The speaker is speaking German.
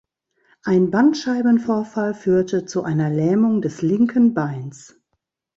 Ein Bandscheibenvorfall führte zu einer Lähmung des linken Beins.